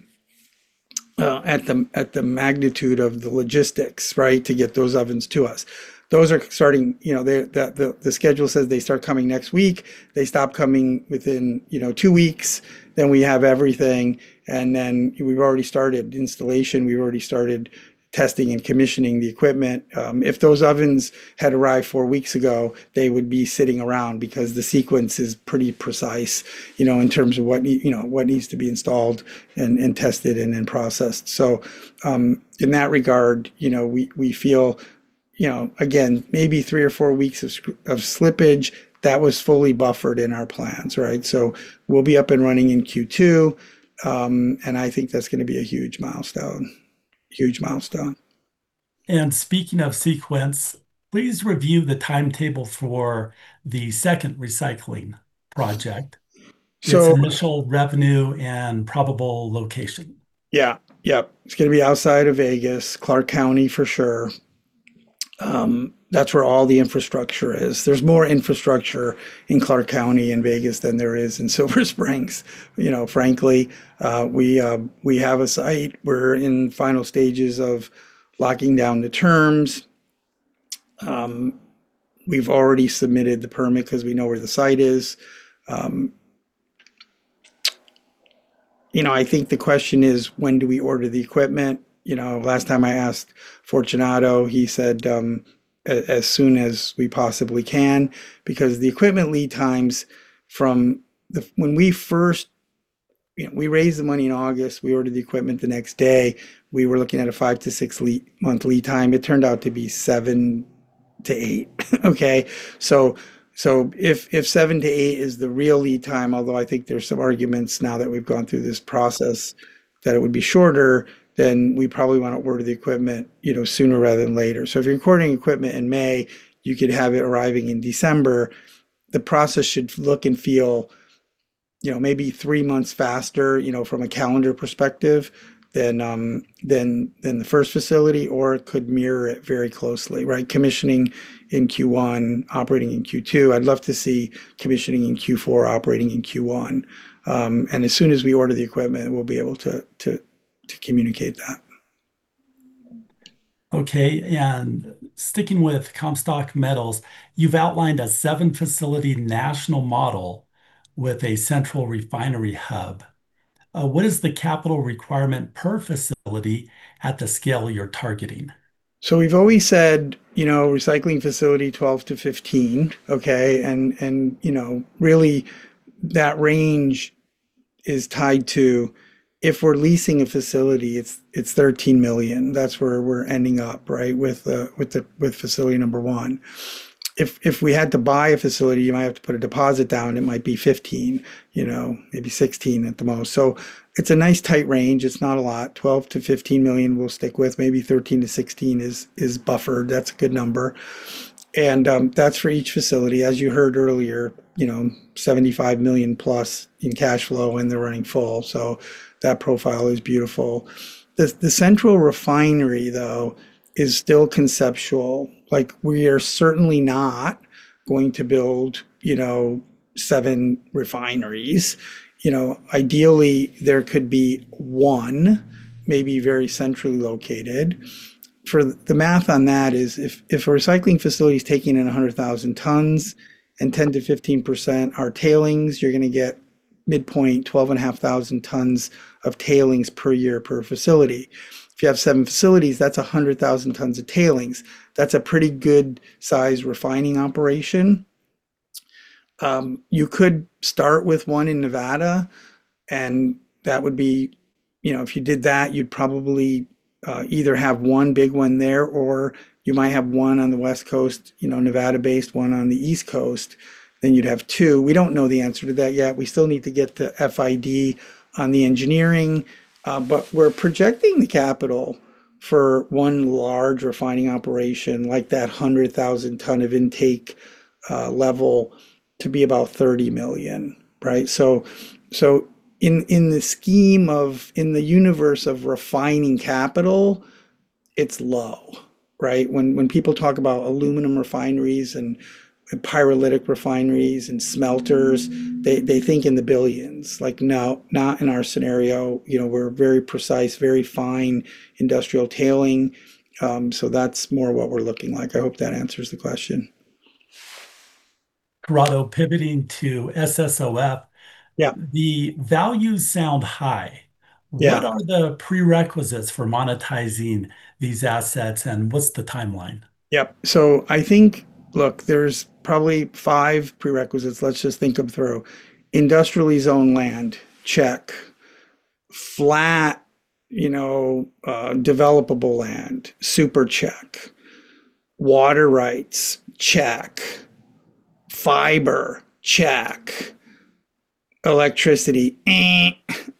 at the magnitude of the logistics, right, to get those ovens to us. Those are starting, you know. The schedule says they start coming next week. They stop coming within, you know, two weeks. Then we have everything, and then we've already started installation. We've already started testing and commissioning the equipment. If those ovens had arrived four weeks ago, they would be sitting around because the sequence is pretty precise, you know, in terms of what you know, what needs to be installed and tested and then processed. In that regard, you know, we feel, you know, again, maybe three or four weeks of slippage, that was fully buffered in our plans, right? We'll be up and running in Q2, and I think that's gonna be a huge milestone. Huge milestone. Speaking of sequence, please review the timetable for the second recycling project. So- Its initial revenue and probable location. Yeah. Yep. It's gonna be outside of Vegas, Clark County for sure. That's where all the infrastructure is. There's more infrastructure in Clark County in Vegas than there is in Silver Springs, you know, frankly. We have a site, we're in final stages of locking down the terms. We've already submitted the permit 'cause we know where the site is. You know, I think the question is, when do we order the equipment? You know, last time I asked Fortunato, he said, as soon as we possibly can because the equipment lead times when we first. You know, we raised the money in August, we ordered the equipment the next day. We were looking at a 5-6 month lead time. It turned out to be 7-8. Okay? If 7-8 is the real lead time, although I think there's some arguments now that we've gone through this process that it would be shorter, then we probably wanna order the equipment, you know, sooner rather than later. If you're ordering equipment in May, you could have it arriving in December. The process should look and feel, you know, maybe three months faster, you know, from a calendar perspective than the first facility, or it could mirror it very closely, right? Commissioning in Q1, operating in Q2. I'd love to see commissioning in Q4, operating in Q1. As soon as we order the equipment, we'll be able to communicate that. Okay. Sticking with Comstock Metals, you've outlined a seven-facility national model with a central refinery hub. What is the capital requirement per facility at the scale you're targeting? We've always said, you know, recycling facility, 12-15, okay? You know, really that range is tied to if we're leasing a facility, it's 13 million. That's where we're ending up, right, with the facility number one. If we had to buy a facility, you might have to put a deposit down, it might be 15, you know, maybe 16 at the most. It's a nice tight range. It's not a lot. $12 million-$15 million we'll stick with. Maybe 13-16 is buffered. That's a good number. That's for each facility. As you heard earlier, you know, $75 million plus in cash flow when they're running full. That profile is beautiful. The central refinery, though, is still conceptual. Like, we are certainly not going to build, you know, seven refineries. You know, ideally, there could be one, maybe very centrally located. The math on that is if a recycling facility is taking in 100,000 tons, and 10%-15% are tailings, you're gonna get midpoint 12,500 tons of tailings per year per facility. If you have seven facilities, that's 100,000 tons of tailings. That's a pretty good size refining operation. You could start with one in Nevada, and that would be. You know, if you did that, you'd probably either have one big one there, or you might have one on the West Coast, you know, Nevada-based, one on the East Coast, then you'd have two. We don't know the answer to that yet. We still need to get the FID on the engineering, but we're projecting the capital for one large refining operation like that 100,000-ton intake level to be about $30 million, right? In the universe of refining capital, it's low, right? When people talk about aluminum refineries and pyrolytic refineries and smelters, they think in the billions. Like, no, not in our scenario. You know, we're a very precise, very fine industrial tailoring, so that's more what we're looking like. I hope that answers the question. Corrado pivoting to SSLF. Yeah. The values sound high. Yeah. What are the prerequisites for monetizing these assets, and what's the timeline? Yep. I think, look, there's probably five prerequisites. Let's just think them through. Industrially zoned land, check. Flat, you know, developable land, super check. Water rights, check. Fiber, check. Electricity,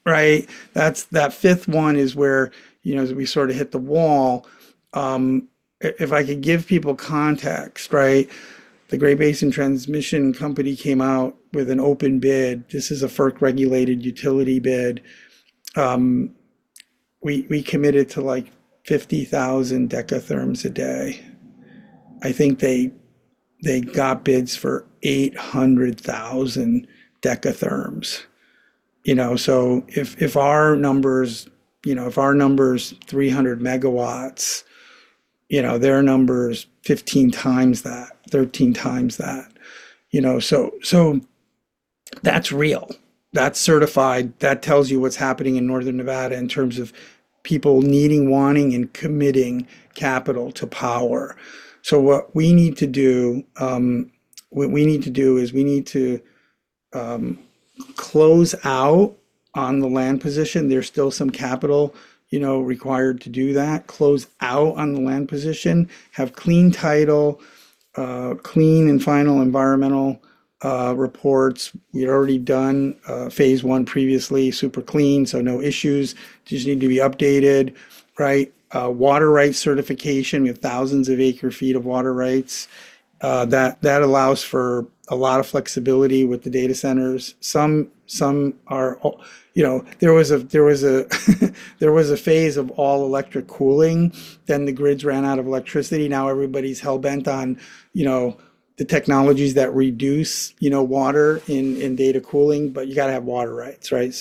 right? That's the fifth one is where, you know, we sort of hit the wall. If I could give people context, right? The Great Basin Transmission Company came out with an open bid. This is a FERC-regulated utility bid. We committed to, like, 50,000 decatherms a day. I think they got bids for 800,000 decatherms. You know, if our number's 300 MW, you know, their number is 15 times that, 13 times that, you know. That's real, that's certified. That tells you what's happening in northern Nevada in terms of people needing, wanting, and committing capital to power. What we need to do is close out on the land position. There's still some capital, you know, required to do that. Close out on the land position, have clean title, clean and final environmental reports. We had already done phase one previously super clean, so no issues. Just need to be updated, right? Water rights certification. We have thousands of acre feet of water rights that allows for a lot of flexibility with the data centers. Some are, you know, there was a phase of all-electric cooling, then the grids ran out of electricity. Now everybody's hell-bent on, you know, the technologies that reduce, you know, water in data cooling, but you gotta have water rights, right?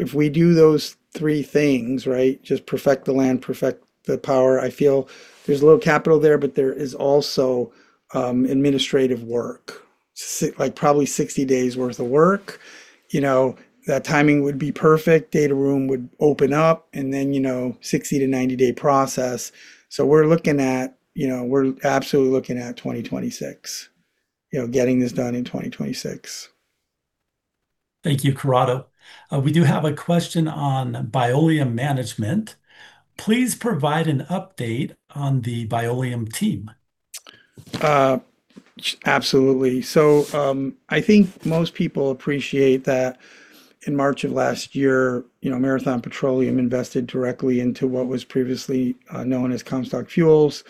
If we do those three things, right? Just perfect the land, perfect the power. I feel there's a little capital there, but there is also administrative work, like, probably 60 days worth of work. You know, that timing would be perfect. Data room would open up and then, you know, 60- to 90-day process. You know, we're absolutely looking at 2026. You know, getting this done in 2026. Thank you, Corrado. We do have a question on Bioleum management. Please provide an update on the Bioleum team. Absolutely. I think most people appreciate that in March of last year, you know, Marathon Petroleum invested directly into what was previously known as Comstock Fuels.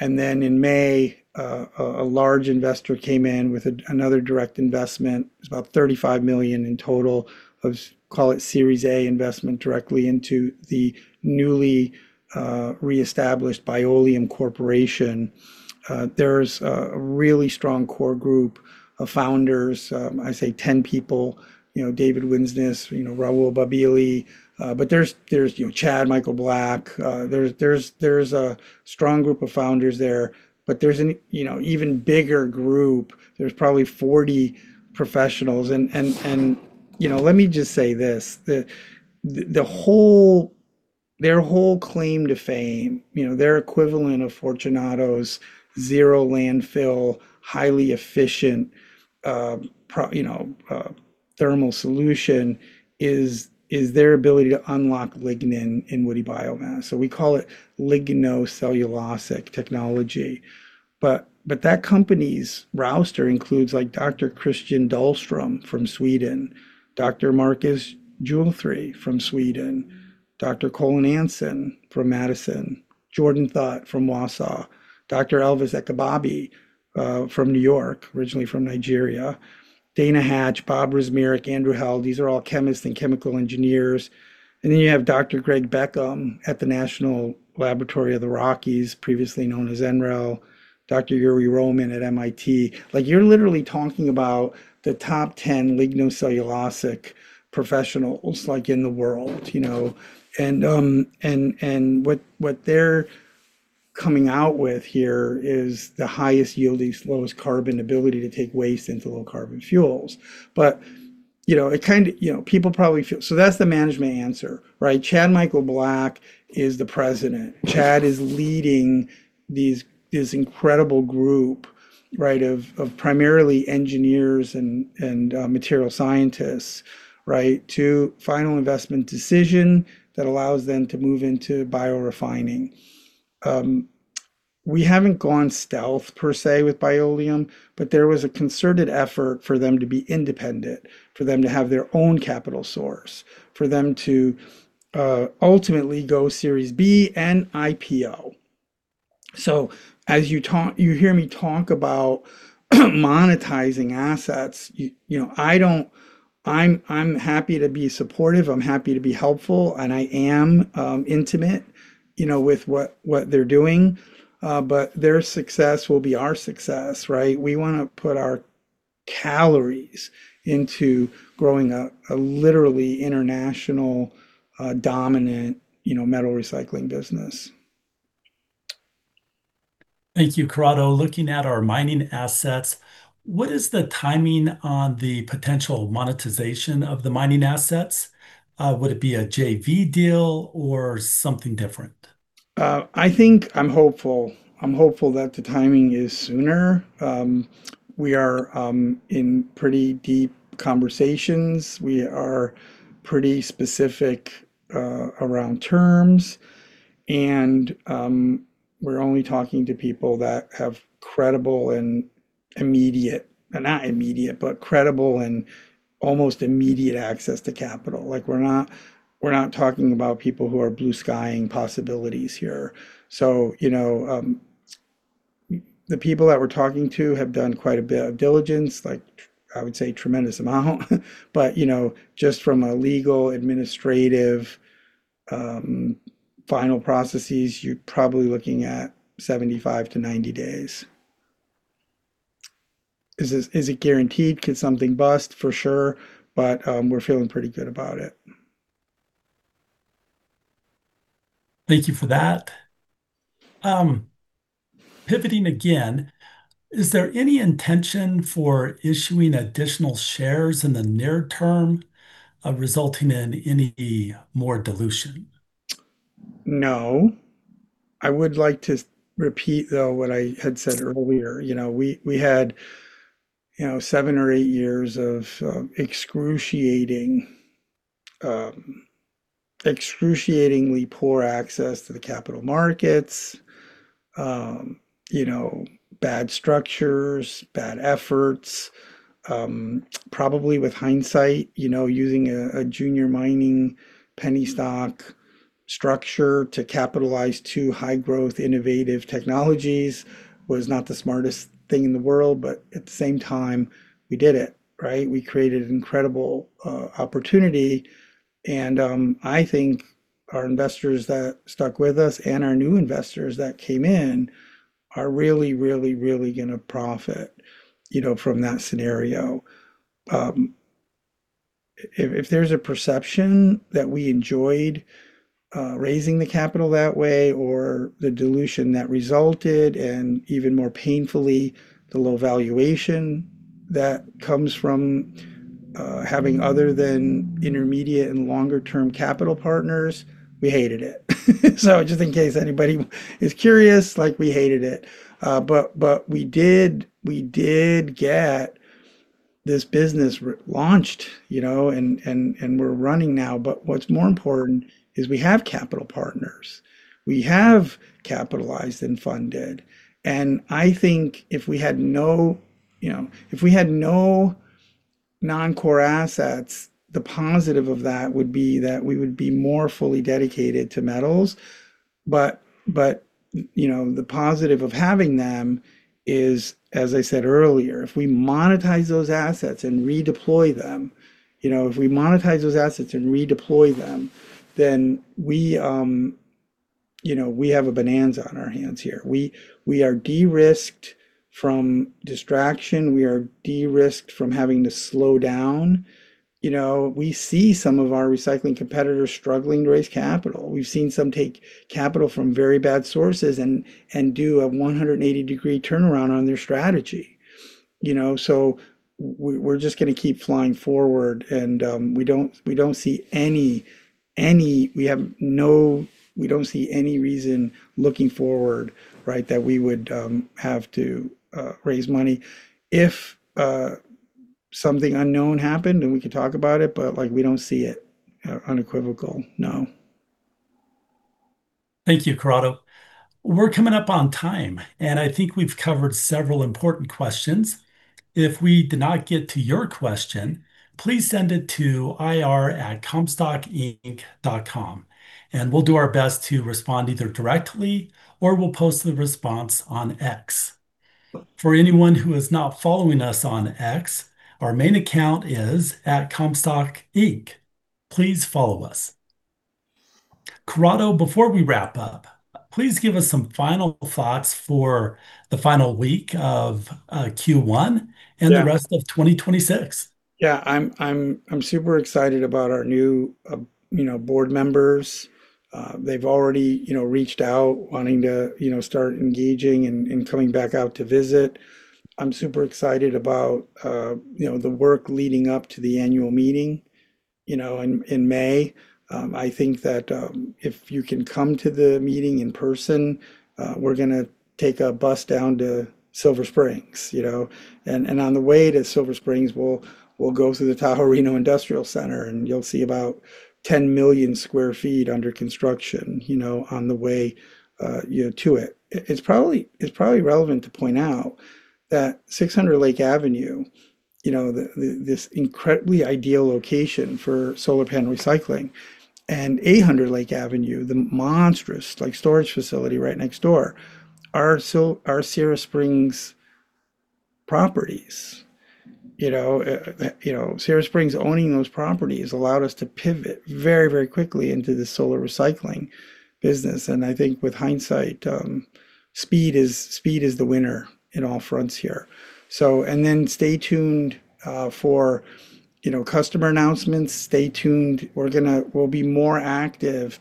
In May, a large investor came in with another direct investment. It was about $35 million in total of, call it Series A investment directly into the newly reestablished Bioleum Corporation. There's a really strong core group of founders, I'd say 10 people. You know, David Winsness, you know, Rahul Bobbili. But there's a strong group of founders there, but there's an even bigger group. There's probably 40 professionals. You know, let me just say this, their whole claim to fame, you know, their equivalent of Fortunato's zero landfill, highly efficient, thermal solution is their ability to unlock lignin in woody biomass. We call it lignocellulosic technology. That company's roster includes like Dr. Christian Dahlström from Sweden, Dr. Marcus Juulthree from Sweden, Dr. Colin Anson from Madison, Jordan Thott from Wausau, Dr. Elvis Akpobi from New York, originally from Nigeria, Dana Hatch, Bob Rizmirik, Andrew Held. These are all chemists and chemical engineers. Then you have Dr. Greg Beckham at the National Laboratory of the Rockies, previously known as NREL, Dr. Yuriy Román at MIT. Like, you're literally talking about the top 10 lignocellulosic professionals, like, in the world, you know? What they're coming out with here is the highest yielding, lowest carbon ability to take waste into low carbon fuels. You know, people probably feel. That's the management answer, right? Chad Michael Black is the president. Chad is leading this incredible group, right, of primarily engineers and material scientists, right, to final investment decision that allows them to move into biorefining. We haven't gone stealth per se with Bioleum, but there was a concerted effort for them to be independent, for them to have their own capital source, for them to ultimately go Series B and IPO. As you hear me talk about monetizing assets, you know, I don't. I'm happy to be supportive, I'm happy to be helpful, and I am intimate, you know, with what they're doing. Their success will be our success, right? We wanna put our calories into growing a literally international dominant, you know, metal recycling business. Thank you, Corrado. Looking at our mining assets, what is the timing on the potential monetization of the mining assets? Would it be a JV deal or something different? I think I'm hopeful that the timing is sooner. We are in pretty deep conversations. We are pretty specific around terms and we're only talking to people that have credible and almost immediate access to capital. Like, we're not talking about people who are blue skying possibilities here. You know, the people that we're talking to have done quite a bit of diligence, like I would say tremendous amount. You know, just from a legal, administrative, final processes, you're probably looking at 75-90 days. Is it guaranteed? Could something bust? For sure. We're feeling pretty good about it. Thank you for that. Pivoting again, is there any intention for issuing additional shares in the near term, resulting in any more dilution? No. I would like to repeat, though, what I had said earlier. You know, we had, you know, seven or eight years of excruciatingly poor access to the capital markets, you know, bad structures, bad efforts, probably with hindsight, you know, using a junior mining penny stock structure to capitalize too high growth innovative technologies was not the smartest thing in the world. At the same time, we did it, right? We created an incredible opportunity and I think our investors that stuck with us and our new investors that came in are really, really, really gonna profit, you know, from that scenario. If there's a perception that we enjoyed raising the capital that way or the dilution that resulted, and even more painfully, the low valuation that comes from having other than intermediate and longer term capital partners, we hated it. Just in case anybody is curious, like, we hated it. We did get this business launched, you know, and we're running now. What's more important is we have capital partners. We have capitalized and funded, and I think if we had no non-core assets, the positive of that would be that we would be more fully dedicated to metals. You know, the positive of having them is, as I said earlier, if we monetize those assets and redeploy them, then we, you know, we have a bonanza on our hands here. We are de-risked from distraction. We are de-risked from having to slow down. You know, we see some of our recycling competitors struggling to raise capital. We've seen some take capital from very bad sources and do a 180 degree turnaround on their strategy. You know. We're just gonna keep flying forward and we don't see any reason looking forward, right, that we would have to raise money. If something unknown happened, then we could talk about it, but, like, we don't see it. Unequivocal no. Thank you, Corrado. We're coming up on time, and I think we've covered several important questions. If we did not get to your question, please send it to ir@comstockinc.com, and we'll do our best to respond either directly or we'll post the response on X. For anyone who is not following us on X, our main account is @ComstockInc. Please follow us. Corrado, before we wrap up, please give us some final thoughts for the final week of Q1- Yeah the rest of 2026. Yeah. I'm super excited about our new, you know, board members. They've already, you know, reached out wanting to, you know, start engaging and coming back out to visit. I'm super excited about, you know, the work leading up to the annual meeting, you know, in May. I think that if you can come to the meeting in person, we're gonna take a bus down to Silver Springs, you know, and on the way to Silver Springs, we'll go through the Tahoe Reno Industrial Center, and you'll see about 10 million sq ft under construction, you know, on the way to it. It's probably relevant to point out that 600 Lake Avenue, you know, this incredibly ideal location for solar panel recycling, and 800 Lake Avenue, the monstrous, like, storage facility right next door are Sierra Springs properties. You know? You know, Sierra Springs owning those properties allowed us to pivot very, very quickly into the solar recycling business, and I think with hindsight, speed is the winner in all fronts here. And then stay tuned, you know, for customer announcements. Stay tuned. We'll be more active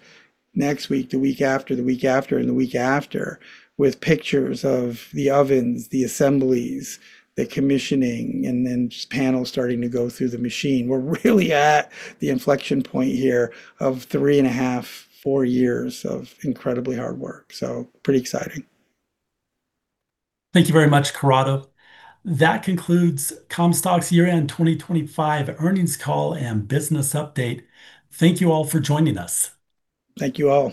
next week, the week after, and the week after with pictures of the ovens, the assemblies, the commissioning, and then just panels starting to go through the machine. We're really at the inflection point here of 3.5-4 years of incredibly hard work. Pretty exciting. Thank you very much, Corrado. That concludes Comstock's year-end 2025 earnings call and business update. Thank you all for joining us. Thank you all.